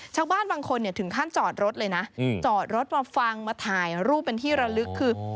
ชาวบ้านบางคนถึงขั้นจอดรถเลยนะจอดรถมาฟังมาถ่ายรูปเป็นที่ระลึกคือ